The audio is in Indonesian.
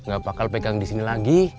gak bakal pegang disini lagi